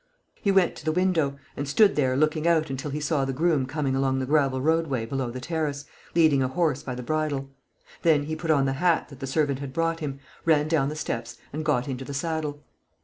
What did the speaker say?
He went to the window, and stood there looking out until he saw the groom coming along the gravel roadway below the terrace, leading a horse by the bridle. Then he put on the hat that the servant had brought him, ran down the steps, and got into the saddle.